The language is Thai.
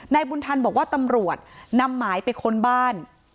บุญทันบอกว่าตำรวจนำหมายไปค้นบ้าน